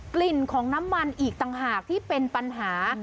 กลิ่นของน้ำมันอีกต่างหากที่เป็นปัญหา